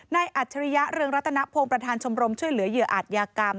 อัจฉริยะเรืองรัตนพงศ์ประธานชมรมช่วยเหลือเหยื่ออาจยากรรม